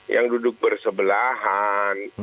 yang duduk bersebelahan